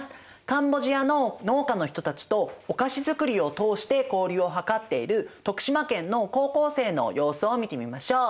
カンボジアの農家の人たちとお菓子づくりを通して交流を図っている徳島県の高校生の様子を見てみましょう。